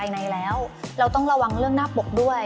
บางทีการเราเอาอารมณ์ของเราไปใส่ในเนื้อเรื่องมากเกินไป